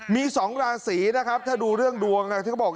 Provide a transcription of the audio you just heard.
มี๒ราศีนะครับถ้าดูเรื่องดวงที่เขาบอก